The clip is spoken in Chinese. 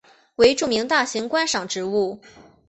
为著名大型观赏植物。